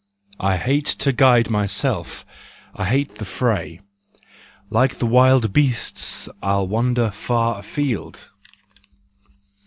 I hate to guide myself, I hate the fray. Like the wild beasts I'll wander far afield.